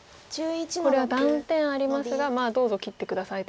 これは断点ありますがまあどうぞ切って下さいと。